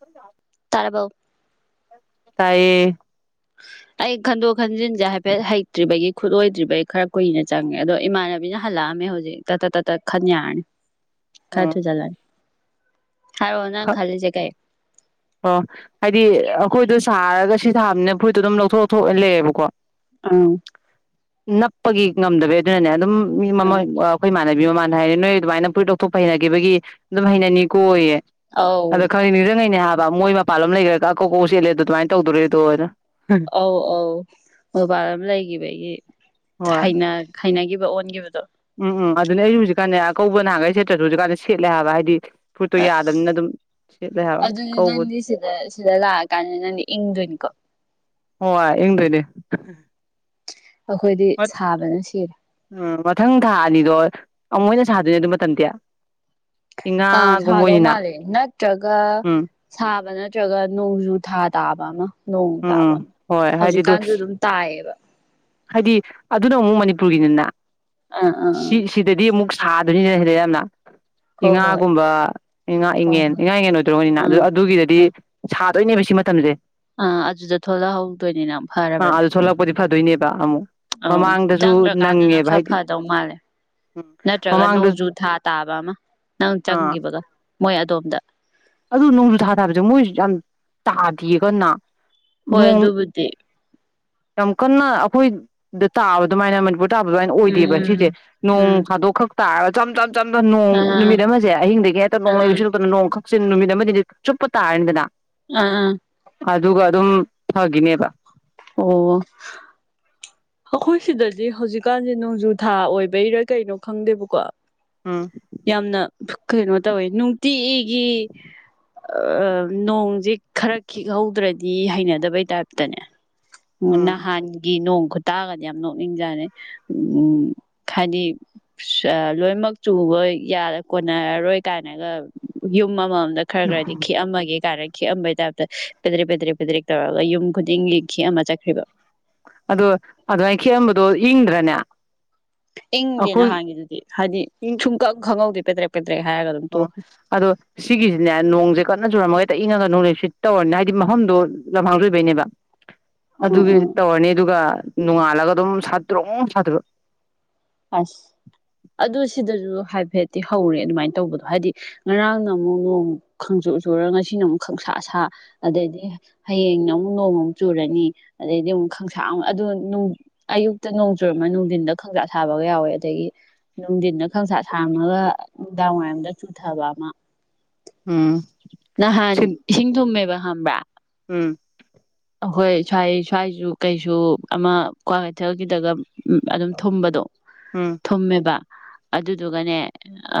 [unintelligible] ꯇꯥꯔꯕꯧ ꯇꯥꯌꯦ ꯑꯩ ꯈꯟꯗꯣꯛ ꯈꯟꯖꯤꯟꯁꯦ ꯍꯥꯏꯐꯦꯠ ꯍꯩꯇ꯭ꯔꯤꯕꯒꯤ ꯈꯨꯠꯂꯣꯏꯗ꯭ꯔꯤꯕꯩ ꯈꯔ ꯀꯨꯏꯅ ꯆꯪꯉꯦ ꯑꯗꯣ ꯏꯃꯥꯟꯅꯕꯤꯅ ꯍꯜꯂꯛꯑꯝꯃꯦ ꯍꯧꯖꯤꯛ ꯇꯥꯇꯠ ꯇꯥꯇꯠ ꯈꯟ ꯌꯥꯔꯅꯤ ꯀꯥꯏ ꯊꯨ ꯎꯝ ꯆꯂ ꯑꯣ ꯍꯥꯏꯗꯤ ꯑꯩꯈꯣꯏꯗ ꯁꯥꯔꯒ ꯁꯤ ꯁꯥꯕꯅꯤꯅ ꯐꯨꯔꯤꯠꯇꯣ ꯑꯗꯨꯝ ꯂꯧꯊꯣꯛ ꯂꯧꯊꯣꯛꯑ ꯂꯩꯑꯦꯕꯀꯣ ꯑꯥ ꯅꯞꯄꯒꯤ ꯉꯝꯗꯕꯩ ꯑꯗꯨꯅꯅꯦ ꯑꯗꯨꯝ ꯃꯤ ꯃꯃ ꯑꯩꯈꯣꯏ ꯃꯥ ꯥꯟꯅꯕꯤ ꯃꯃꯥꯟꯗ ꯍꯥꯏꯔ ꯅꯣꯏ ꯑꯗꯨꯃꯥꯏꯅ ꯐꯨꯔꯤꯠ ꯂꯧꯊꯣꯛꯄ ꯍꯩꯅꯈꯤꯕꯒꯤ ꯑꯗꯨꯝ ꯍꯩꯅꯅꯤ ꯀꯣꯌꯦ ꯑꯧ ꯑꯗꯣ ꯈꯅꯤ ꯏꯔꯉꯥꯏꯅꯦ ꯍꯥꯏ ꯃꯣꯏ ꯃꯄꯜꯂ ꯑꯃ ꯂꯩꯈ꯭ꯔꯦ ꯀꯧꯀꯧ ꯆꯦꯦꯜꯂꯦꯗ ꯑꯗꯨꯃꯥꯏꯅ ꯇꯧꯗꯣꯔꯦꯗꯣꯅ ꯑꯧ ꯑꯧ ꯑꯣꯕꯔꯝ ꯂꯩꯒꯦꯕꯒꯤ ꯍꯣꯏ ꯍꯥꯏꯅꯒꯤ ꯑꯣꯟꯈꯤꯕꯗꯣ ꯎꯝ ꯎꯝ ꯑꯗꯨꯅ ꯑꯩꯁꯨ ꯍꯧꯖꯤꯛꯀꯥꯟꯅꯦ ꯑꯀꯧꯕ ꯅꯍꯥꯟꯒꯩ ꯁꯦꯠꯇ꯭ꯔꯁꯨ ꯍꯧꯖꯤꯛꯀꯥꯟꯗ ꯁꯦꯠꯂꯦ ꯍꯥꯏꯕ ꯍꯥꯏꯗꯤ ꯐꯨꯔꯤꯠꯇꯣ ꯑ ꯌꯥꯗꯕꯅꯤꯅ ꯑꯗꯨꯝ ꯁꯦꯠꯂꯦ ꯍꯥꯏꯕ ꯑꯗꯨꯗꯤ ꯀꯧꯕ ꯅꯪꯗꯤ ꯁꯤꯗ ꯁꯤꯗ ꯂꯥꯛꯑꯀꯥꯟꯗ ꯅꯪꯗꯤ ꯏꯪꯗꯣꯏꯅꯤꯀꯣ ꯍ ꯌꯦꯡꯅꯦ [unintelligible] ꯑꯩꯈꯣꯏꯗꯤ ꯁꯥꯕꯅ ꯁꯤꯔꯦ ꯎꯝ ꯃꯊꯪ ꯊꯥ ꯑꯅꯤꯗꯣ ꯑꯃꯨꯛꯣꯏꯅ ꯁꯥꯗꯣꯏꯅꯦ ꯑꯗꯨ ꯃꯇꯝꯗꯤꯦ ꯑ ꯁꯥꯗꯧ ꯃꯥꯜꯂꯦ ꯅꯠꯇ꯭ꯔꯒ ꯎꯝ ꯁꯥꯕꯅ ꯇ꯭ꯔꯒꯥ ꯅ‌ꯣꯡꯖꯨ ꯊꯥ ꯇꯥꯕꯃ ꯅꯣꯡ ꯎꯝ ꯇꯥꯕ ꯎꯝ ꯍꯣꯏ ꯍꯥꯏꯗꯤ ꯑꯗꯨ ꯍꯧꯖꯤꯛꯀꯥꯟꯁꯨ ꯑꯗꯨꯝ ꯇꯥꯏꯌꯦꯕ ꯍꯥꯏꯗꯤ ꯑꯗꯨꯅ ꯑꯃꯨꯛ ꯃꯅꯤꯄꯨꯔꯒꯤꯅꯤꯅ ꯑꯥ ꯑꯥ ꯁꯤ ꯑꯥ ꯁꯤꯗꯗꯤ ꯃꯨꯛ ꯊꯥꯗꯣꯏꯅꯤꯅꯦ ꯁꯤꯗꯤꯗꯤ ꯌꯥꯝꯅ ꯍꯣꯏ ꯍꯣꯏ ꯏꯉꯥꯒꯨꯝꯕ ꯏꯉꯥ ꯍꯣꯏ ꯏꯉ‌ꯦꯟ ꯍꯣꯏ ꯏꯉꯥ ꯏꯉ‌ꯦꯟ ꯑꯣꯏꯗ꯭ꯔꯕꯅꯤꯅ ꯑꯗꯨ ꯑꯥ ꯑꯗꯨꯒꯤꯗꯗꯤ ꯑꯥ ꯁꯥ ꯗ‌ꯣꯏꯅꯦꯕ ꯁꯤ ꯃꯇꯝꯁꯦ ꯑꯥ ꯑꯗꯨꯗ ꯊꯣꯛꯂꯛꯍꯧꯗꯣꯏꯅꯤꯅ ꯌꯥꯝ ꯐꯔꯕꯅꯦ ꯕ ꯑꯃꯨꯛ ꯑꯧ ꯃꯃꯥꯡꯗꯁꯨ ꯆꯪꯗ꯭ꯔꯀꯥꯟꯗꯅ ꯅꯪꯉꯦꯕ ꯈꯔ ꯍꯥꯏꯗꯤ ꯐꯗꯧ ꯃꯥꯜꯂꯦ ꯎꯝ ꯅꯠꯇ꯭ꯔꯒ ꯃꯃꯥꯡꯗ ꯅꯣꯡꯖꯨ ꯊꯥ ꯇꯥꯕ ꯑꯃ ꯅꯪ ꯑꯥ ꯆꯪꯈꯤꯕꯒ ꯃꯣꯏ ꯑꯗꯣꯝꯗ ꯑꯗꯨ ꯅꯣꯡꯖꯨ ꯊꯥ ꯊꯥꯕꯁꯦ ꯃꯣꯏꯁꯨ ꯌꯥꯝ ꯇꯥꯗꯤꯌꯦ ꯀꯟꯅ ꯍꯣꯏ ꯅꯣꯡ ꯑꯗꯨꯕꯨꯗꯤ ꯌꯥꯝ ꯀꯟꯅ ꯑꯩꯈꯣꯏꯗ ꯇꯥꯕ ꯑꯗꯨꯃꯥꯏꯅ ꯃꯥꯅꯤꯄꯨꯔ ꯇꯥꯕ ꯑꯗꯨꯃꯥꯏꯅ ꯎꯝ ꯑꯣꯏꯗꯦꯕ ꯎꯝ ꯁꯤꯁꯦ ꯅꯣꯡ ꯎꯝ ꯊꯥꯗꯣꯛꯈꯛ ꯇꯥ ꯔ ꯖꯝ ꯖꯝ ꯖꯝ ꯖꯝ ꯅꯣꯡ ꯑꯥ ꯅꯨꯃꯤꯠ ꯑꯃꯁꯦ ꯑꯍꯤꯡꯗꯒꯤ ꯍꯦꯛꯇ ꯅꯣꯡ ꯑꯥ ꯂꯩꯁꯤꯨꯅ ꯅꯣꯡ ꯀꯛꯆ ꯅꯨꯃꯤꯠ ꯑꯃꯗꯤꯗꯤ ꯆꯨꯞꯄ ꯇꯥꯔꯅꯤꯗꯅ ꯑꯥ ꯑꯥ ꯑꯗꯨꯒ ꯑꯗꯨꯝ ꯐꯒꯤꯅꯦꯕ ꯑꯣ ꯑꯩꯈꯣꯏ ꯁꯤꯗꯗꯤ ꯍꯧꯖꯤꯛꯀꯥꯟꯁꯦ ꯅꯣꯡꯖꯨ ꯊꯥ ꯑꯣꯏꯕꯩꯔꯥ ꯀꯩꯅꯣ ꯈꯪꯗꯦꯕꯀꯣ ꯎꯝ ꯌꯥꯝꯅ ꯀꯩꯅꯣ ꯇꯧꯋꯦ ꯅꯨꯡꯇꯤꯒꯤ ꯅꯣꯡꯁꯦ ꯈꯔ ꯈꯤꯛꯍꯧꯗ꯭ꯔꯗꯤ ꯍꯩꯅꯗꯕꯩ ꯇꯥꯏꯞꯇꯅꯦ ꯎꯝ ꯅꯍꯥꯟꯒꯤ ꯅꯣꯡ ꯇꯥꯒꯗꯤ ꯌꯥꯝ ꯅꯣꯛꯅꯤꯡꯖꯥꯅꯤ ꯎꯝ ꯍꯥꯏꯗꯤ ꯂꯣꯏꯃꯛ ꯆꯨꯕ ꯌꯥꯔ ꯀꯣꯟꯅꯔꯔꯣꯏ ꯀꯥꯏꯅꯒ ꯌꯨꯝ ꯑꯃꯃꯝꯗ ꯈꯔ ꯒ꯭ꯔꯗꯤ ꯈꯤꯛꯑꯝꯃꯒꯦ ꯀꯥꯏꯔꯦꯛ ꯈꯤꯛꯑꯝꯕꯩ ꯇꯥꯏꯞꯇ ꯄꯦꯗ꯭ꯔꯦꯛ ꯄꯦꯗ꯭ꯔꯦꯛ ꯄꯦꯗ꯭ꯔꯦꯛ ꯇꯧꯔꯒ ꯌꯨꯝ ꯈꯨꯗꯤꯡꯒꯤ ꯈꯤꯛꯑꯝꯃ ꯆꯠꯈ꯭ꯔꯤꯕ꯫ ꯑꯗꯨ ꯑꯗꯨꯃꯥꯢ ꯈꯤꯛꯑꯝꯕꯗꯣ ꯏꯪꯗ꯭ꯔꯥꯅꯦ? ꯏꯪꯗꯦ ꯅꯍꯥꯟꯒꯤꯗꯨꯗꯤ ꯍꯥꯏꯗꯤ ꯏꯪ ꯁꯨꯡꯀꯛ ꯈꯪꯍꯧꯗꯦ꯫ [inaudible] ꯑꯗꯨꯝ ꯑꯣ ꯇꯣꯛꯈ꯭ꯔꯦ ꯑꯗꯣ ꯁꯤꯒꯤꯖꯤꯅꯦ ꯅꯣꯡꯖꯦ ꯀꯟꯅ ꯆꯨꯔꯝꯃꯒ ꯍꯦꯛꯇ ꯏꯪꯉꯒ ꯅꯣꯡꯂꯩ ꯅꯨꯡꯁꯤꯠ ꯇꯧꯔꯅꯤꯅ ꯍꯥꯏꯗꯤ ꯃꯐꯝꯗꯣ ꯂꯝꯍꯥꯡꯖꯨ ꯑꯣꯏꯕꯩꯅꯦꯕ꯫ ꯑ ꯑꯗꯨꯒꯤ ꯑ ꯇꯧꯔꯅꯤ ꯑꯗꯨꯒ ꯅꯨꯉꯥꯟ ꯁꯥꯒ ꯁꯥꯇ꯭ꯔꯣ ꯑꯣ ꯁꯥꯇ꯭ꯔꯣ ꯑꯁ ꯑꯗꯨ ꯁꯤꯗꯁꯨ ꯍꯥꯏꯐꯦꯠꯇꯤ ꯍꯧꯔꯦ ꯑꯗꯨꯃꯥꯏꯅ ꯇꯧꯕꯗꯣ ꯍꯥꯏꯗꯤ ꯉꯔꯥꯡꯅ ꯑꯃꯨꯛ ꯅꯣꯡ ꯈꯪꯆꯨ ꯆꯨꯔꯒ ꯉꯁꯤꯅ ꯑꯃꯨꯛ ꯈꯪꯁꯥ ꯁꯥ ꯑꯗꯩꯗꯤ ꯍꯥꯌꯦꯡꯅ ꯑꯃꯨꯛ ꯅꯣꯡꯃꯨꯛ ꯆꯨꯔꯅꯤ ꯑꯗꯩꯗꯤ ꯑꯃꯨꯛ ꯈꯪꯁꯥ ꯑꯃꯨꯛ ꯑꯗꯨ ꯑꯌꯨꯛꯇ ꯅꯣꯡ ꯆꯨꯔꯝꯃ ꯅꯨꯡꯊꯤꯟꯗ ꯈꯪꯁꯥ ꯊꯥꯕꯒ ꯌꯥꯎꯋꯦ ꯑꯗꯒꯤ ꯅꯨꯡꯊ ꯈꯪ ꯁꯥ ꯁꯥꯔꯝꯃꯒ ꯗꯥꯡ ꯋꯥꯏꯔꯝꯗ ꯆꯨꯊꯥꯕ ꯑꯃ ꯎꯝ ꯅꯍꯥꯟ ꯁꯤꯟ ꯏꯁꯤꯡ ꯊꯨꯝꯃꯦꯕ ꯈꯪꯕ꯭ꯔꯥ ꯎꯝ ꯑꯩꯈꯣꯏ ꯁ꯭ꯋꯥꯏ ꯁ꯭ꯋꯥꯏꯁꯨ ꯀꯩꯁꯨ ꯑꯃ ꯀ꯭ꯋꯥꯛ ꯀꯩꯊꯦꯜ ꯒꯤꯗ ꯎꯝ ꯑꯗꯨꯝ ꯊꯨꯝꯕꯗꯣ ꯎꯝ ꯊꯨꯝꯃꯦꯕ ꯑꯗꯨꯗꯨꯒꯅꯦ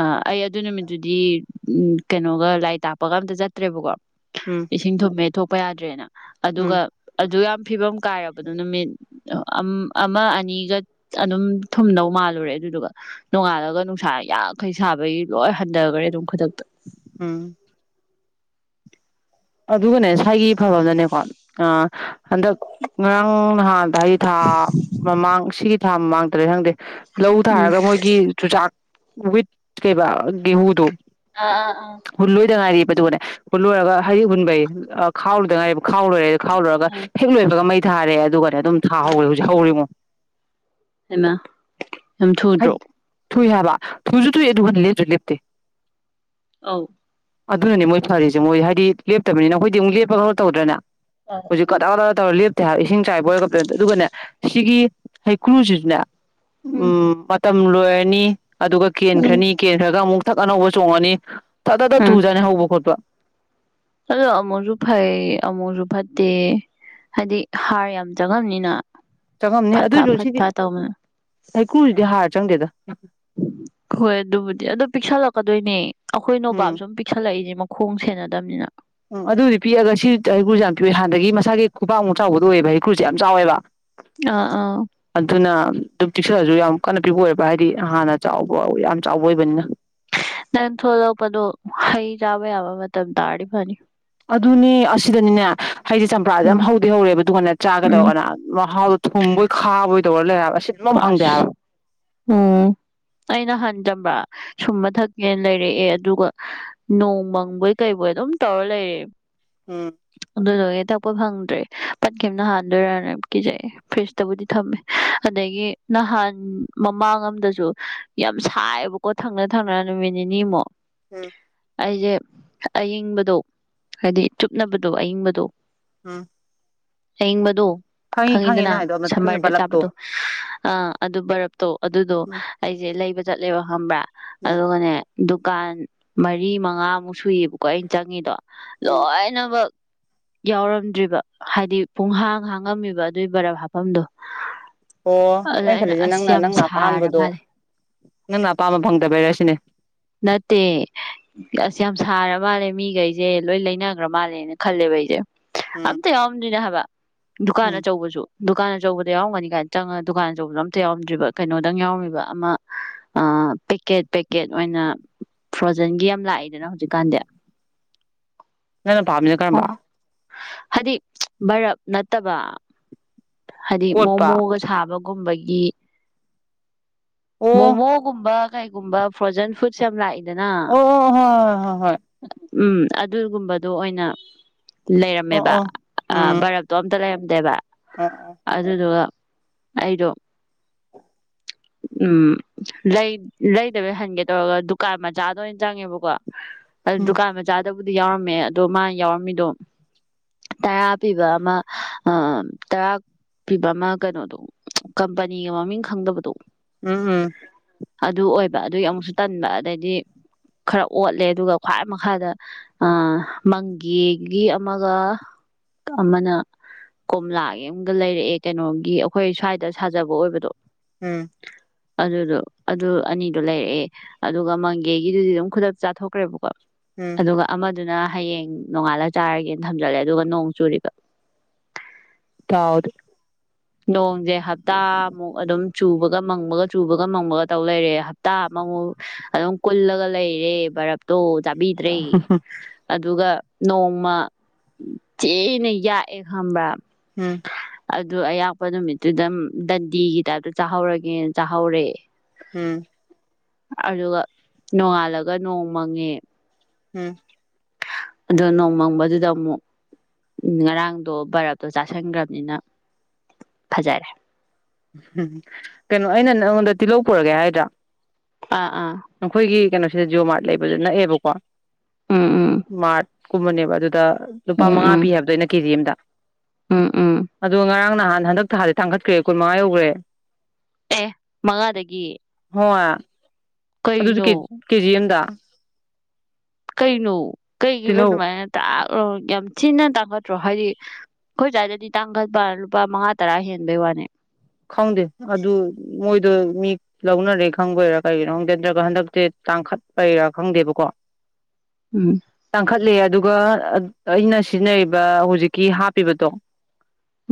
ꯑ ꯑꯩ ꯑꯗꯨ ꯅꯨꯃꯤꯠꯇꯨꯗꯤ ꯎꯝ ꯀꯩꯅꯣꯒ ꯂꯥꯏꯔꯤꯛ ꯇꯥꯛꯄꯒ ꯑꯝꯇ ꯆꯠꯇ꯭ꯔꯦꯕꯀꯣ ꯎꯝ ꯏꯁꯤꯡ ꯊꯨꯝꯃꯦ ꯊꯣꯛꯄ ꯄ ꯌꯥꯗ꯭ꯔꯦꯅ ꯑꯗꯨꯒ ꯎꯝ ꯑꯗꯨ ꯌꯥꯝ ꯐꯤꯕꯝ ꯀꯥꯏꯔꯕꯗꯨ ꯅꯨꯃꯤꯠ ꯑꯃ ꯑꯅꯤꯒ ꯑꯗꯨꯝ ꯊꯨꯝꯗꯧ ꯃꯥꯜꯂꯨꯔꯦ ꯑꯗꯨꯗꯨꯒ ꯅꯣꯡꯉꯥꯜꯂꯒ ꯅꯨꯡꯁꯥ ꯌꯥꯡꯈꯩ ꯁꯥꯕꯒꯤ ꯂꯣꯏ ꯍꯟꯊꯈ꯭ꯔꯦ ꯑꯗꯨꯝ ꯈꯨꯗꯛꯇ ꯎꯝ ꯑꯗꯨꯒꯅꯦ ꯁ꯭ꯋꯥꯥꯏꯒꯤ ꯐꯕ ꯑꯃꯗꯅꯦꯀꯣ ꯑ ꯍꯟꯗꯛ ꯉꯔꯥꯡ ꯅꯍꯥꯟꯗ ꯍꯥꯏꯗꯤ ꯊꯥ ꯃꯃꯥꯡ ꯁꯤꯒꯤ ꯊꯝ ꯃꯥꯡꯗ꯭ꯔꯦ ꯍꯪꯗꯦ ꯂꯧ ꯎꯝ ꯊꯥꯔꯒ ꯃꯣꯏꯒꯤ ꯆꯨꯖꯥꯛ ꯋꯤꯠ ꯀꯩꯕ ꯒꯤꯍꯨ ꯗꯣ ꯑꯥ ꯑꯥ ꯑꯥ ꯑꯗꯨꯒꯅꯦ ꯀꯜꯂꯨꯂꯒ ꯍꯔꯤ ꯍꯨꯟꯕꯩ ꯈꯥꯎꯔꯨꯗ ꯍꯥꯏꯕ ꯈꯥꯎꯔꯦ ꯑꯗꯨ ꯈꯥꯎꯂꯣꯏ ꯔꯒ ꯎꯝ ꯍꯦꯛ ꯂꯣꯏꯕꯒ ꯃꯩ ꯊꯥꯔꯦ ꯑꯗꯨꯒꯅꯦ ꯑꯗꯨꯝ ꯊꯥꯍꯔꯦ ꯍꯧꯖꯤꯛ ꯍꯧꯔꯤꯃꯣ ꯍꯥꯏꯃ ꯌꯥꯝ ꯊꯨꯗ꯭ꯔꯣ ꯍꯥꯏꯗꯤ ꯊꯨꯏ ꯍꯥꯏꯕ ꯊꯨꯁꯨ ꯇꯨꯏ ꯑꯗꯨ ꯍꯅ ꯂꯞꯁꯨ ꯂꯦꯞꯇꯦ ꯑꯧ ꯑꯗꯨꯅꯅꯦ ꯃꯣꯏ ꯐꯥꯔꯤꯁꯦ ꯃꯣꯏ ꯍꯥꯏꯗꯤ ꯂꯦꯞꯇꯕꯅꯤꯅ ꯑꯩꯈꯣꯏꯗꯤ ꯑꯃꯨꯛ ꯂꯦꯞꯄ ꯈꯪ ꯇꯧꯗ꯭ꯔꯅ ꯍꯧꯖꯤꯛ ꯎꯝ ꯀꯗꯥꯛ ꯀꯗꯥꯛ ꯇꯍꯥꯛ ꯏꯁꯤꯡ ꯆꯥꯏꯕ ꯑꯣꯏꯔꯒꯗ ꯑꯗꯨꯒꯅꯦ ꯁꯤꯒꯤ ꯍꯩꯀ꯭ꯔꯨꯁꯤꯁꯤꯅ ꯎꯝ ꯇꯝꯂꯣꯏꯅꯤ ꯑꯗꯨꯒ ꯎꯝ ꯀꯦꯟꯈ꯭ꯔꯅꯤ ꯀꯦꯟꯈ꯭ꯔꯒ ꯑꯃꯨꯛ ꯄꯊꯛ ꯑꯅꯧꯕ ꯆꯣꯡꯉꯅꯤ ꯇꯥ ꯇꯥ ꯎꯝ ꯊꯨꯖꯥꯅꯤ ꯍꯧꯕ ꯈꯣꯠꯄ ꯑꯗꯣ ꯑꯃꯨꯛꯁꯨ ꯐꯩ ꯑꯃꯨꯛꯁꯨ ꯐꯠꯇꯦ ꯍꯥꯏꯗꯤ ꯍꯥꯔ ꯌꯥꯝ ꯆꯪꯉꯕꯅꯤꯅ ꯆꯪꯉꯝꯅꯤ ꯑꯗꯨꯏꯁꯨ ꯁꯤꯗꯤ ꯍꯩꯀ꯭ꯔꯨꯁꯤꯗꯤ ꯍꯥꯔ ꯆꯪꯒꯦꯗ ꯍꯣꯏ ꯑꯗꯨꯕꯨꯗꯤ ꯑꯗꯨ ꯄꯤꯛꯁꯜꯂꯛꯀꯗꯣꯏꯅꯦ ꯑꯩꯈꯣꯏ ꯅꯣꯕꯥꯞ ꯎꯝ ꯁꯨꯝ ꯄꯛꯜꯂꯛꯏꯅꯦ ꯈꯣꯡ ꯁꯦꯟꯅꯗꯕꯅꯤꯅ ꯎꯝ ꯑꯗꯨꯗꯤ ꯄꯤꯛꯑꯒ ꯁꯤ ꯍꯩꯀ꯭ꯔꯜꯁꯨꯦ ꯌꯥꯝ ꯄꯤꯑꯦ ꯍꯥꯟꯅꯗꯒꯤ ꯃꯁꯥꯒꯤ ꯈꯨꯄꯥꯛꯥꯛꯃꯨꯛ ꯆꯥꯎꯕꯗ ꯑꯣꯏꯑꯦꯕ ꯍꯩꯀꯨꯜꯁꯦ ꯌꯥꯝ ꯆꯥꯎꯋꯦꯕ ꯑꯥ ꯑꯥ ꯑꯗꯨꯅ ꯑꯗꯨꯝ ꯆꯤꯛꯁꯜꯂꯁꯨ ꯌꯥꯝ ꯀꯟꯅ ꯄꯤꯕ ꯑꯣꯏꯕ ꯍꯥꯏꯗꯤ ꯍꯥꯟꯅ ꯆꯥꯎꯕ ꯌꯥꯝ ꯆꯥꯎꯕ ꯑꯣꯏꯕꯅꯤꯅ ꯅ ꯊꯗꯣ ꯄꯗꯣ ꯍꯩ ꯆꯕ ꯌꯥꯕ ꯃ ꯇꯥ ꯐꯅꯤ ꯑꯗꯨꯅꯤ ꯑꯁꯤꯗꯅꯤꯅꯦ ꯍꯗꯤꯦ ꯆꯝꯄ꯭ꯔꯥꯁꯦ ꯌꯥꯝ ꯎꯝ ꯍꯧꯗꯤ ꯍꯧꯔꯦꯕ ꯑꯗꯨꯒꯗꯨꯉꯥꯟꯅ ꯎꯝ ꯆꯥꯒꯗꯧꯔꯅ ꯃꯍꯥꯎꯗꯣ ꯊꯨꯝꯕꯣꯏ ꯈꯥꯕꯣꯏ ꯇꯣꯟꯂ ꯂꯩ ꯑꯁ ꯎꯝ ꯑꯩꯅ ꯍꯟꯖꯕ꯭ꯔ ꯁꯨꯝꯕ ꯊꯛꯀꯦꯅ ꯂꯩꯔꯛꯑꯦ ꯑꯗꯨꯒ ꯅꯣꯡ ꯃꯪꯕꯣꯏ ꯀꯩꯕꯣꯏ ꯑꯗꯨꯝ ꯇꯧꯔ ꯂꯩꯔꯛꯑꯦ ꯎꯝ ꯎꯗꯒꯦ ꯊꯛꯄ ꯐꯪꯗ꯭ꯔꯦ ꯄꯠꯈꯤꯕꯅ ꯍꯥꯟꯗꯣꯏꯔꯥꯅ ꯀꯤꯖꯩꯦ ꯐ꯭ꯔꯤꯖꯇꯕꯨꯗꯤ ꯊꯝꯃꯦ ꯑꯗꯒꯤ ꯅꯍꯥꯟ ꯃꯃꯥꯡ ꯑꯝꯗꯁꯨ ꯌꯥꯝ ꯁꯥꯏꯌꯦꯕꯀꯣ ꯊꯪꯅ ꯊꯪꯅꯅ ꯅꯨꯃꯤꯠ ꯅꯤꯅꯤꯃꯨꯛ ꯎꯝ ꯑꯩꯁꯦ ꯑꯌꯤꯡꯕꯗꯣ ꯍꯥꯏꯗꯤ ꯆꯨꯞꯅꯕꯗꯣ ꯑꯌꯤꯡꯕꯗꯣ ꯑꯝ ꯍꯡꯕꯗꯨꯣ ꯈꯪꯉꯤ ꯈꯪꯉꯤꯅ ꯍꯥꯏꯗꯣ ꯑꯃꯗ ꯕꯂꯞꯇꯣ ꯑ ꯑꯗꯨꯔ ꯇꯣ ꯑꯗꯨꯗꯣ ꯎꯝ ꯑꯩꯁꯦ ꯂꯩꯕ ꯆꯠꯂꯦꯕ ꯈꯪꯕ꯭ꯔꯥ ꯎꯝ ꯑꯗꯨꯒꯒꯅꯦꯗꯨ ꯗꯨꯀꯥꯟ ꯃꯔꯤ ꯃꯉꯥꯃꯨꯛ ꯁꯨꯏꯌꯦꯕꯀꯣ ꯑꯩꯅ ꯆꯪꯉꯤꯗꯣ ꯎꯝ ꯂꯣꯏꯅꯅꯕ ꯌꯥꯎꯔꯝꯗ꯭ꯔꯤꯕ ꯍꯥꯏꯗꯤ ꯄꯨꯡꯍꯥꯡ ꯍꯥꯡꯉꯝꯃꯤꯕ ꯑꯗꯨꯒꯤ ꯕꯔꯥ ꯍꯥꯞꯐꯝꯗꯣ ꯑꯣ ꯑꯗ ꯑꯩꯅ ꯈꯜꯂꯤꯁꯦ ꯑꯁ ꯅꯪꯅ ꯌꯥꯝ ꯅꯪꯅ ꯁꯥꯔ ꯑꯄꯥꯝꯕꯗꯣ ꯃꯥꯜꯂꯦ ꯅꯪꯄꯥꯝ ꯐꯪꯗꯕꯁꯤꯅꯦ ꯅꯠꯇꯦ ꯑꯁ ꯌꯥꯝ ꯁꯥꯔ ꯃꯥꯜꯂꯦ ꯃꯤꯈꯩꯁꯦ ꯂꯣꯏ ꯂꯩꯅꯈ꯭ꯔ ꯃꯥꯜꯂꯦꯅ ꯈꯜꯂꯦꯕ ꯑꯩꯁꯦ ꯎꯝ ꯑꯗ ꯑꯣꯔꯤꯅ ꯍꯥꯕ ꯗꯨꯀꯥꯟ ꯎꯝ ꯑꯆꯧꯕꯁꯨ ꯗꯨꯀꯥꯟ ꯑꯆꯧꯕꯗ ꯌꯥꯎꯝꯒꯅꯤ ꯀꯥꯏꯅ ꯆꯪꯉꯒ ꯗꯨꯀꯥꯟ ꯑꯆꯧꯕꯗꯣ ꯑꯝꯇ ꯌꯥꯎꯝꯗ꯭ꯔꯤꯕ ꯀꯩꯅꯣꯗꯪ ꯌꯥꯎꯔꯝꯃꯤꯕ ꯑꯃ ꯄꯦꯛꯀꯦꯠ ꯄꯦꯛꯀꯦꯠ ꯑꯣꯏꯅ ꯐ꯭ꯔꯣꯖꯟꯒꯤ ꯌꯥꯝ ꯂꯥꯛꯏꯗꯅ ꯍꯧꯖꯤꯛꯀꯥꯟꯗꯤ ꯅ ꯐꯥꯞꯃꯤꯅ ꯀꯕ ꯍꯥꯏꯗꯤ ꯃꯔꯞ ꯅꯠꯇꯕ ꯍꯥꯏꯗꯤ ꯀꯣꯠꯄ ꯃꯣꯃꯣꯒ ꯁꯥꯕ ꯒꯨꯝꯕꯒꯤ ꯑꯣ ꯃꯣꯃꯣꯒꯨꯝꯕ ꯀꯩꯒꯨꯝꯕ ꯐ꯭ꯔꯣꯖꯟ ꯐꯨꯗꯁ ꯌꯥꯝ ꯂ ꯑꯣ ꯍꯣ ꯍ ꯍꯣꯏ ꯎꯝ ꯑꯗꯨꯒꯨꯝꯕꯗꯣ ꯑꯣꯏꯅ ꯑꯣ ꯂꯩꯔꯝꯃꯦꯕ ꯑꯣ ꯎꯝ ꯕꯔꯞꯇꯣ ꯑꯝꯇ ꯂꯩꯔꯝ ꯗꯦꯕ ꯑꯣ ꯑꯣ ꯑꯗꯨꯗꯗꯨ ꯋꯥ ꯑꯩꯗꯣ ꯎꯝ ꯂꯩꯗꯕꯩ ꯍꯟꯒꯦ ꯇꯧꯔꯒ ꯗꯨꯀꯥꯟ ꯃꯆꯥꯗ ꯑꯣꯏꯅ ꯆꯪꯉꯦꯕꯀꯣ ꯎꯝ ꯗꯨꯀꯥꯟ ꯃ ꯆꯗ ꯕꯨꯗꯤ ꯌꯥꯎꯔꯝꯃꯦ ꯑꯗꯣ ꯃꯥ ꯌꯥꯎꯔꯝꯃꯤꯗꯣ ꯇꯔꯥ ꯄꯤꯕ ꯑꯃ ꯇꯔꯥ ꯄꯤꯕ ꯑꯃ ꯀꯩꯅꯣꯗꯣ ꯀꯝꯄꯅꯤꯒ ꯃꯃꯤꯡ ꯈꯪꯗꯕꯗꯣ ꯎꯝ ꯎꯝ ꯑꯗꯨ ꯑꯣꯏꯕ ꯑꯗꯨꯒꯤ ꯑꯃꯨꯛꯁꯨ ꯇꯟꯕ ꯑꯗꯩꯗꯤ ꯈꯔ ꯑꯣꯠꯂꯦ ꯑꯗꯨꯒ ꯈ꯭ꯋꯥꯏ ꯃꯈꯥꯗ ꯑ ꯃꯪꯒꯤꯒꯤ ꯑꯃꯛ ꯑꯃꯅ ꯀꯣꯝꯂꯥꯒꯤ ꯑꯃꯝꯒ ꯂꯩꯔꯛꯑꯦ ꯀꯩꯅꯣꯒꯤ ꯑꯩꯈꯣꯏ ꯁ꯭ꯋꯥꯏꯗ ꯁꯥꯖꯕ ꯑꯣꯏꯕꯗꯣ ꯎꯝ ꯑꯗꯨꯗꯣ ꯑꯗꯨ ꯑꯅꯤꯗꯣ ꯂꯩꯔꯛꯑꯦ ꯑꯗꯨꯒ ꯃꯪꯒꯦꯒꯤꯗꯨꯗꯤ ꯑꯗꯨꯝ ꯈꯨꯗꯛ ꯆꯥꯊꯣꯛꯈ꯭ꯔꯦꯕꯀꯣ ꯎꯝ ꯑꯗꯨꯒ ꯑꯃ ꯑꯗꯨꯅ ꯍꯌꯦꯡ ꯅꯣꯡꯉꯥꯜꯂꯒ ꯆꯥꯔꯒꯦ ꯊꯝꯖꯜꯂꯦ ꯑꯗꯨꯒ ꯅꯣꯡ ꯆꯨꯔꯤꯕ ꯇꯥꯎꯗꯦ ꯒ ꯃꯪꯕꯒ ꯆꯨꯕꯒ ꯃꯪꯕꯒ ꯇꯧ ꯂꯩꯔꯦ ꯍꯞꯇꯥ ꯑꯃꯃꯨꯛ ꯑꯗꯨꯝ ꯀꯨꯜꯂꯒ ꯂꯩꯔꯦ ꯚꯔꯞꯇꯣ ꯆꯥꯕꯤꯗ꯭ꯔꯦ ꯑꯗꯨꯒ ꯅꯣꯡꯃ ꯆꯦꯅ ꯌꯥꯛꯑꯦ ꯈꯪꯕ꯭ꯔꯥ ꯎꯝ ꯑꯗꯨ ꯑꯌꯥ ꯆꯄ ꯅꯨꯃꯤꯠꯇꯨ ꯑꯗꯨꯝ ꯗꯟꯗꯤꯒꯤ ꯇꯥꯏꯞꯇ ꯆꯥꯍꯧꯔꯒꯦꯅ ꯆꯥꯍꯧꯔꯦ ꯎꯝ ꯑꯗꯨꯒ ꯅꯣꯡꯉꯥꯜꯂꯒ ꯅꯣꯡ ꯃꯪꯉꯦ ꯎꯝ ꯑꯗꯣ ꯅꯣꯡꯃꯪꯕꯗꯨꯗ ꯑꯃꯨꯛ ꯉꯔꯥꯡꯗꯣ ꯕꯔꯞꯇꯣ ꯆꯥꯁꯤꯟꯈ꯭ꯔꯕꯅꯤꯅ ꯐꯖꯔꯦ ꯎꯝ ꯀꯩꯅꯣ ꯑꯩꯅ ꯅꯪꯉꯣꯟꯗ ꯇꯤꯜꯍꯧ ꯄꯨꯔꯒꯦ ꯍꯥꯏꯗ꯭ꯔꯥ ꯑꯥ ꯑꯥ ꯑꯩꯈꯣꯏꯒꯤ ꯀꯩꯅꯣ ꯁꯤꯗ ꯖꯤꯑꯣꯣ ꯃꯥꯔꯠ ꯂꯩꯕꯗ ꯅꯛꯑꯦꯕꯀꯣ ꯎꯝ ꯎꯝ ꯃꯥꯔꯠ ꯀꯨꯝꯕꯅꯦꯕ ꯑꯗꯨꯗ ꯂꯨꯄꯥ ꯃꯉꯥ ꯄꯤ ꯍꯥꯏꯕꯗ ꯑꯩꯅ ꯀꯦꯖꯤ ꯑꯝꯗ ꯑꯝ ꯎꯥ ꯅꯍꯥꯟ ꯍꯟꯗꯛꯇ ꯊꯥꯟꯔꯗꯤ ꯊꯥꯡꯈꯠꯈ꯭ꯔꯦ ꯀꯨꯟ ꯃꯉꯥ ꯌꯧꯈ꯭ꯔꯦ ꯑꯦ ꯃꯉꯥꯗꯒꯤ ꯍꯉ ꯑꯗꯨꯁꯨ ꯀꯩꯅꯣ ꯀꯦꯖꯤ ꯑꯝꯗ ꯀꯩꯅ ꯀꯩ ꯀꯅꯣ ꯇꯤꯜꯍꯧ ꯅ ꯃꯥꯏ ꯑꯣ ꯌꯥꯝ ꯊꯤꯅ ꯇꯥꯡꯈꯠꯇ꯭ꯔꯣ ꯍꯥꯏꯗꯤ ꯑꯩꯈꯣꯏ ꯁ꯭ꯋꯥꯏꯗꯗꯤ ꯇꯥꯡꯈꯠꯄ ꯂꯨꯄꯥ ꯃꯉꯥ ꯇꯔꯥ ꯍꯦꯟꯕꯩ ꯋꯥꯅꯤ ꯈꯪꯗꯦ ꯑꯗꯨ ꯃꯣꯏ ꯑꯗꯨ ꯃꯤ ꯂꯧꯅꯔꯦ ꯈꯪꯕꯩꯔꯥ ꯀꯔꯤꯒꯤꯅꯣ ꯈꯪꯗꯦ ꯅꯠꯇ꯭ꯔꯒ ꯍꯟꯗꯛꯇꯤ ꯇꯥꯡꯈꯠꯄꯩꯔꯥ ꯈꯪꯗꯦꯕꯀꯣ ꯎꯝ ꯇꯥꯡꯈꯠꯂꯦ ꯑꯗꯨꯒ ꯑꯩꯅ ꯁꯤꯖꯤꯟꯅꯔꯤꯕ ꯍꯧꯖꯤꯛꯀꯤ ꯍꯥꯞꯄꯤꯕꯗꯣ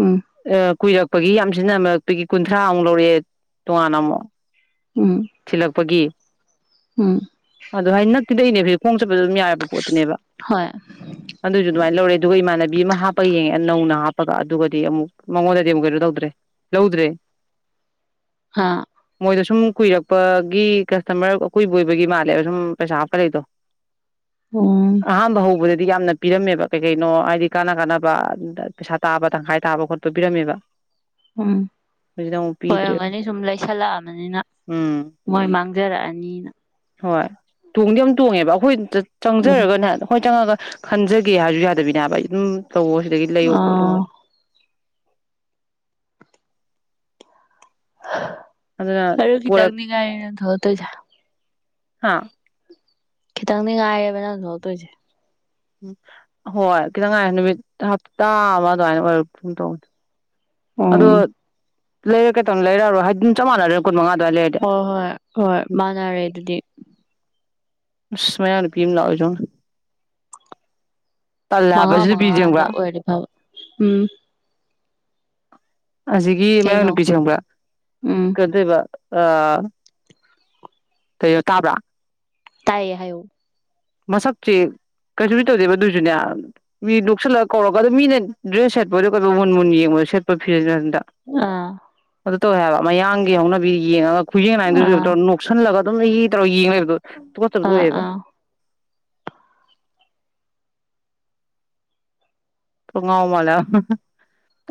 ꯎꯝ ꯑ ꯀꯨꯏꯔꯛꯄꯒꯤ ꯌꯥꯝꯁꯤꯅꯃꯛ ꯅꯨꯗꯒꯤ ꯀꯨꯟꯊ꯭ꯔꯥ ꯑꯃꯨꯛ ꯂꯧꯔꯛꯑꯦ ꯇꯣꯉꯥꯟꯅ ꯑꯃꯨꯛ ꯎꯝ ꯊꯤꯜꯂꯛꯄꯒꯤ ꯎꯝ ꯑꯗ ꯍꯩꯅ ꯗꯅꯦ ꯐ ꯀꯣꯡ ꯌꯥ ꯄꯣꯠꯇꯨꯅꯦ ꯍꯣꯏ ꯑꯗꯨꯁꯨ ꯑꯗꯨꯃꯅ ꯂꯧꯔꯦ ꯑꯗꯨꯒ ꯕꯤ ꯑꯃ ꯍꯥꯞꯄꯒ ꯌꯦꯡꯉꯦ ꯅꯧꯅ ꯍꯥꯞꯄꯒ ꯑꯗꯨꯒꯗꯤ ꯑꯃꯨꯛ ꯃꯉꯣꯟꯗꯗꯤ ꯑꯃꯨꯛ ꯀꯩꯅꯣ ꯇꯧꯗ꯭ꯔꯦ ꯂꯧꯗ꯭ꯔꯦ ꯍꯥꯥ ꯃꯣꯏꯗ ꯁꯨꯝ ꯀꯨꯏꯔꯛꯄ ꯄꯒꯤ ꯀꯁꯇꯃꯔ ꯑꯀꯣꯏꯕ ꯑꯣꯏꯕꯒꯤ ꯃꯥꯜꯂꯦꯕ ꯁꯨꯝ ꯄꯩꯁꯥ ꯍꯥꯞꯄ ꯂꯩꯗꯣ ꯎꯝ ꯑꯧꯎ ꯍꯥꯏꯗꯤ ꯌꯥꯝꯅ ꯄꯤꯔꯝꯃꯦꯕ ꯀꯩ ꯀꯩꯅꯣ ꯍꯥꯏꯗꯤ ꯀꯥꯟꯅ ꯀꯥꯟꯅꯕ ꯄꯩꯁꯥ ꯇꯥꯕ ꯇꯪꯈꯥꯏ ꯇꯥꯕ ꯈꯣꯠꯄ ꯄꯤꯔꯝꯃꯦꯕ ꯎꯝ ꯍꯧꯖꯤꯛꯅ ꯑꯃꯨꯛ ꯄꯤꯗ꯭ꯔꯦꯕ ꯑꯣꯏꯣꯏꯔꯝꯒꯅꯤ ꯁꯨꯝ ꯂꯩꯁꯜꯂꯛꯑꯕꯅꯤꯅ ꯎꯝ ꯃꯣꯏ ꯃꯥꯡꯖꯔꯛꯑꯅꯤꯅ ꯍꯣꯏ ꯇꯣꯡꯗꯤ ꯌꯥꯝ ꯇꯣꯡꯉꯦꯕ ꯑꯈꯣꯏ ꯎꯝ ꯆꯪꯖꯔꯒꯅꯦ ꯍꯣꯏ ꯆꯪꯉꯒ ꯈꯟꯖꯒꯦ ꯍꯥꯏꯁꯨ ꯌꯥꯗꯕꯤꯅꯦ ꯍꯥꯏꯕ ꯑꯩ ꯑꯗꯨꯝ ꯇꯧꯑꯣ ꯁꯤꯗꯩꯩ ꯂꯩꯌꯨ ꯈꯣꯠꯂꯣꯅ ꯑꯣ ꯑꯗꯨꯅ ꯄꯣꯔꯛ [unintelligible] [unintelligible] ꯍꯥꯥ ꯈꯤꯇꯪꯗꯤ ꯉꯥꯏꯔꯦꯕ ꯅꯪ ꯊꯣꯛꯇꯣꯏꯁꯦ ꯎꯝ ꯍꯣꯏ ꯈꯤꯇꯪ ꯉꯥꯏ ꯅꯨꯃꯤꯠ ꯍꯞꯇꯥ ꯑꯃ ꯑꯗꯨꯃꯥꯏꯅ ꯑꯣꯏꯔ ꯒꯨꯝ ꯇꯧꯕꯅꯦ ꯎꯝ ꯂꯩꯔꯛꯀꯦ ꯇꯧꯅꯦ ꯂꯩꯔꯛꯑꯔꯣꯏ ꯍꯥꯏꯗꯤꯝ ꯆꯞ ꯃꯥꯟꯅꯔꯦ ꯀꯨꯟ ꯃꯉꯥ ꯑꯗꯨꯋꯥꯏ ꯂꯩꯔꯗꯤ ꯍꯣꯏ ꯍꯣꯏ ꯍꯣꯏ ꯃꯥꯟꯅꯔꯦ ꯑꯗꯨꯗꯤ ꯑꯁ ꯃꯌꯥꯡ ꯅꯨꯄꯤ ꯑꯃ ꯂꯥꯎꯔꯤꯖꯦ ꯌꯦꯡꯎꯅꯦ ꯃꯉꯥ ꯃꯉꯥꯗ ꯑꯣꯏꯔꯗꯤ ꯐꯕ ꯎꯝ ꯑꯁꯤꯒꯤ ꯃꯌꯥꯡ ꯀꯩꯅꯣ ꯅꯨꯄꯤꯁꯦ ꯈꯪꯕ꯭ꯔꯥ ꯎꯝ ꯀꯩꯅꯣꯇꯧꯏꯕ ꯑꯥ ꯀꯩꯅꯣ ꯇꯥꯕ꯭ꯔꯥ ꯇꯥꯏꯌꯦ ꯍꯥꯏꯌꯣ ꯃꯁꯛꯁꯦ ꯀꯩꯁꯨꯗꯤ ꯇꯧꯗꯦꯕ ꯑꯗꯨꯁꯨꯅꯦ ꯃꯤ ꯅꯣꯛꯁꯜꯂꯒ ꯀꯧꯔꯒ ꯑꯗꯨ ꯃꯤꯅ ꯗ꯭ꯔꯦꯁ ꯁꯦꯠꯄꯗꯣ ꯀꯩ ꯃꯨꯟ ꯃꯨꯟ ꯌꯦꯡꯕꯗ ꯁꯦꯠꯄ [inaudible] ꯑꯥ ꯇꯧꯏ ꯍꯥꯏꯕ ꯃꯌꯥꯡꯒꯤ ꯍꯧꯅꯕꯤ ꯌꯦꯡꯉꯒ ꯈꯨꯌꯦꯡ ꯑꯥ ꯂꯥꯌꯦꯡꯗꯨꯁꯨ ꯅꯣꯛꯁꯜꯂꯒ ꯑꯗꯨꯝ ꯍꯤꯍꯤꯇꯧꯔꯒ ꯌꯦꯡ ꯂꯩꯕꯗꯣ ꯊꯨꯀꯠꯇꯕꯗꯨꯣ ꯑꯥ ꯑꯣꯏꯌꯦꯕ ꯑꯥ ꯈꯔ ꯉꯥꯎ ꯃꯥꯜꯂꯦ ꯍꯥꯏꯕ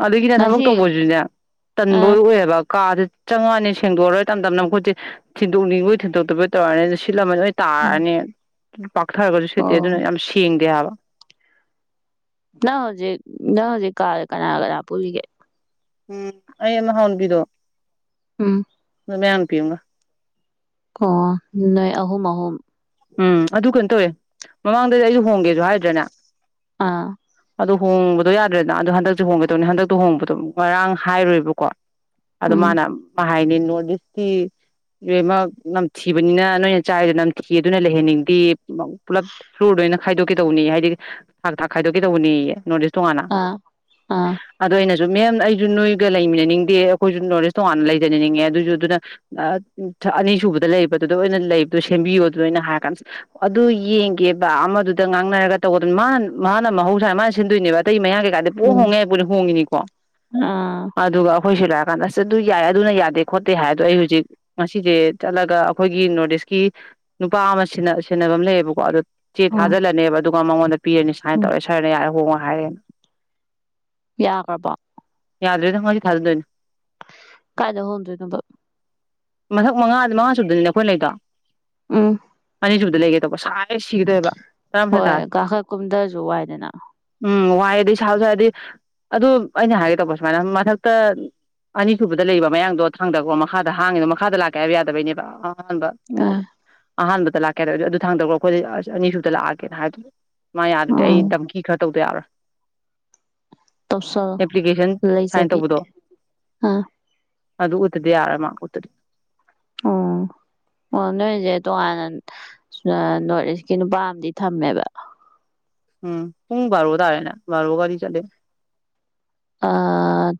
ꯑꯗꯨꯒꯤꯅꯦ ꯊꯕꯛ ꯉꯁꯤ ꯇꯧꯕꯁꯤꯅꯦ ꯇꯟꯕ ꯑꯥ ꯑꯣꯏꯌꯦꯕ ꯀꯥꯥꯁꯦ ꯆꯪꯉꯛꯅꯤ ꯁꯦꯡꯗꯣꯛꯑꯔꯣꯏ ꯇꯝ ꯇꯝꯅ ꯃꯈꯨꯠꯁꯦ ꯊꯤꯟꯗꯣꯛꯅꯤꯡꯕꯣꯏ ꯊꯤꯟꯗꯣꯛꯇꯕꯣꯏ ꯇꯧꯔꯅꯤ ꯁꯤꯠꯂꯝꯃꯅꯤ ꯂꯣꯏ ꯇꯥꯔꯛꯅꯤ ꯄꯥꯛꯊꯔꯒꯁꯨ ꯁꯤꯠꯇꯦ ꯑꯗꯨꯅ ꯑꯣ ꯌꯥꯝ ꯁꯦꯡꯗꯦ ꯍꯥꯏꯕ ꯅꯪ ꯍꯧꯖꯤꯛ ꯅꯪ ꯍꯧꯖꯤꯛ ꯀꯥꯗ ꯀꯅꯥ ꯀꯅꯥ ꯄꯨꯜꯂꯤꯒꯦ ꯎꯝ ꯑꯩ ꯑꯃ ꯍꯥꯎꯅꯨꯄꯤꯗꯣ ꯎꯝ ꯃꯌꯥꯡ ꯅꯨꯄꯤ ꯑꯃꯒ ꯑꯣ ꯅꯣꯏ ꯑꯍꯨꯝ ꯑꯍꯨꯝ ꯎꯝ ꯑꯗꯨ ꯀꯩꯅꯣ ꯇꯧꯋꯦ ꯃꯃꯥꯡꯗꯗꯤ ꯑꯩꯁꯨ ꯍꯣꯡꯒꯦꯁꯨ ꯍꯥꯏꯗ꯭ꯔꯥꯅꯦ ꯑꯥ ꯑꯗꯨꯗꯣ ꯍꯣꯡꯕꯗꯣ ꯌꯥꯗ꯭ꯔꯦꯗꯅ ꯑꯗꯣ ꯍꯟꯗꯛꯇꯁꯨ ꯍꯣꯡꯒꯗꯧꯅꯤ ꯍꯟꯗꯛꯇꯣ ꯍꯣꯡꯕꯗꯣ ꯉꯔꯥꯡ ꯍꯥꯏꯔꯨꯏꯕꯀꯣ ꯑꯗꯨ ꯎꯝ ꯃꯥꯅ ꯍꯥꯏꯅꯦ ꯅꯣꯔꯠ ꯏꯁꯀꯤ ꯂꯣꯏꯅꯃꯛ ꯅꯝꯊꯤꯕꯅꯤꯅ ꯅꯣꯏꯅ ꯆꯥꯏꯔꯤꯗꯣ ꯅꯝꯊꯤ ꯀꯤ ꯑꯗꯨꯅ ꯂꯩꯍꯟꯅꯤꯡꯗꯦ ꯄꯨꯂꯞ ꯐ꯭ꯂꯨꯔꯗ ꯑꯣꯏꯅ ꯈꯥꯏꯗꯣꯛꯀꯦꯗꯧꯅꯤ ꯍꯥꯏꯗꯤ ꯊꯥꯛ ꯊꯥꯛ ꯈꯥꯏꯗꯣꯛꯀꯦ ꯇꯧꯅꯤ ꯅꯣꯔꯠ ꯏꯁ ꯇꯣꯉꯥꯟꯅ ꯑꯥ ꯑꯥ ꯑꯣ ꯑꯩꯅ ꯑꯗꯨ ꯃꯦꯝ ꯑꯩꯁꯨ ꯅꯣꯏꯒ ꯂꯩꯃꯤꯟꯅꯅꯤꯡꯗꯦ ꯑꯩꯈꯣꯏꯁꯨ ꯅꯣꯂꯦꯖ ꯇꯣꯉꯥꯟꯅ ꯂꯩꯖꯅꯅꯤꯡꯉꯦ ꯑꯗꯨꯁꯨ ꯑꯗꯨꯅ ꯑꯅꯤꯁꯨꯕꯗ ꯂꯩꯗꯨꯗ ꯑꯣꯏꯅ ꯂꯩꯕꯗ ꯁꯦꯝꯕꯤꯌꯣ ꯑꯗꯨ ꯑꯣꯏꯅ ꯍꯥꯏꯔ ꯀꯥꯟꯗꯁ ꯑꯗꯨ ꯌꯦꯡꯒꯦꯕ ꯑꯃꯗꯨꯗ ꯉꯥꯡꯅꯔꯒ ꯇꯧꯒꯗꯕꯅꯤ ꯃꯥꯅ ꯃꯥꯅ ꯃꯍꯧꯁꯥꯅ ꯃꯥꯅ ꯁꯤꯟꯗꯣꯏꯅꯦꯕ ꯑꯇꯩ ꯃꯌꯥ ꯀꯩ ꯀꯗ ꯄꯨ ꯎꯝ ꯍꯣꯡꯉꯦ ꯍꯥꯏ ꯄꯨꯗꯤ ꯍꯣꯡꯉꯤꯅꯤꯀꯣ ꯑꯥ ꯑꯗꯨꯒ ꯑꯩꯈꯣꯏꯁꯨ ꯂꯥꯛꯑꯀꯥꯟꯗ ꯑꯁ ꯑꯗꯨ ꯌꯥꯏ ꯑꯗꯨꯅ ꯌꯥꯗꯦ ꯈꯣꯠꯇꯦ ꯍꯥꯏꯗꯣ ꯑꯩ ꯍꯧꯖꯤꯛ ꯉꯁꯤꯁꯦ ꯆꯠꯂꯒ ꯑꯩꯈꯣꯏꯒꯤ ꯅꯣꯔꯠ ꯏꯁꯀꯤ ꯅꯨꯄꯥ ꯑꯃ ꯁꯦꯟꯅꯕ ꯑꯃ ꯂꯩꯌꯦꯕꯀꯣ ꯑꯣ ꯆꯤꯠ ꯎꯝ ꯑꯗꯨꯗꯂꯅꯦꯕ ꯑꯗꯨ ꯥꯡꯑꯣꯗ ꯄꯤꯅꯤ ꯁꯃꯥꯏ ꯎꯝ ꯇꯧꯔ ꯁꯔꯅ ꯌꯥꯔ ꯍꯉ ꯍꯅ ꯌꯥ ꯀꯄ ꯌꯥꯗ꯭ꯔꯣꯏꯗꯪꯉꯣꯏꯗꯤ ꯊꯥꯗꯣꯏꯣ ꯀꯥꯏꯗ ꯍꯟꯗꯦꯅ ꯃꯊꯛ ꯃꯉꯥꯗꯤ ꯃꯉꯥ ꯁꯨꯗꯅꯤꯅꯦ ꯑꯩꯈꯣꯏ ꯂꯩꯗꯣ ꯎꯝ ꯑꯅꯤꯁꯨꯕꯗ ꯂꯩꯒꯦ ꯇꯧꯕ ꯁꯥꯅꯩ ꯁꯤꯈꯤꯗꯣꯏꯑꯕ ꯍꯣꯏ ꯀꯥꯈꯠ ꯀꯨꯝꯗꯥꯖꯨ ꯋꯥꯏꯗꯅ ꯍꯥꯏꯗꯤ ꯏꯁꯥꯎꯁꯨ ꯍꯥꯏꯔꯗꯤ ꯑꯗꯨ ꯑꯩꯅ ꯍꯥꯏꯒꯦ ꯇꯧꯕ ꯁꯨꯃꯥꯏꯅ ꯃꯊꯛꯇ ꯑꯅꯤꯁꯨꯕꯗ ꯂꯩꯕ ꯃꯌꯥꯡꯗꯣ ꯊꯥꯡꯗꯕꯀꯣ ꯃꯈꯥꯗ ꯍꯥꯡꯉꯤꯗꯣ ꯃꯈꯥꯗ ꯂꯥꯛꯀꯦ ꯍꯥꯏꯕ ꯌꯥꯗꯕꯩꯅꯦꯕ ꯑ ꯑꯥ ꯑꯍꯥꯟꯕꯗ ꯂꯥꯛꯀꯦ ꯑꯗꯨ ꯑꯗꯨꯗꯤ ꯑꯗꯨ ꯊꯥꯡꯗꯧꯒ ꯑꯩꯈꯣꯏꯗꯤ ꯑ ꯑꯅꯤꯁꯨꯗ ꯂꯥꯛꯑꯒꯦꯅ ꯍꯥꯏꯗꯨ ꯃꯥ ꯌꯥꯗꯗꯤ ꯑꯥ ꯑꯩ ꯗꯝꯈꯤ ꯈꯔ ꯇꯧꯗ ꯌꯥꯔꯣꯏ ꯇꯁꯣ ꯑꯦꯄ꯭ꯂꯤꯀꯦꯁꯟ ꯂꯩꯖꯕꯤ ꯑ ꯑꯗꯨꯗ ꯎꯠꯇꯗꯤ ꯑꯔ ꯃꯥ ꯎꯠꯇꯗꯤ ꯎ ꯑꯣ ꯅꯣꯏꯁꯦ ꯇꯣꯉꯥꯟꯅ ꯅꯣꯔꯠ ꯏꯁꯀꯤ ꯅꯨꯄꯥ ꯑꯃꯗꯤ ꯊꯝꯃꯦꯕ ꯎꯝ ꯄꯨꯡ ꯔꯑꯣ ꯇꯥꯔꯦꯅ ꯔꯑꯣ ꯒꯥꯔꯤ ꯆꯂꯦ ꯑ